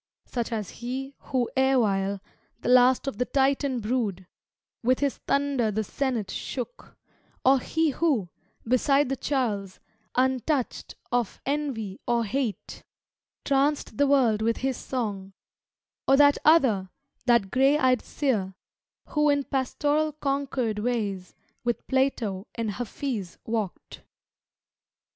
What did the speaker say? Such as he who erewhile The last of the Titan brood With his thunder the Senate shook; Or he who, beside the Charles, Untoucht of envy or hate, Tranced the world with his song; Or that other, that gray eyed seer Who in pastoral Concord ways With Plato and Hafiz walked.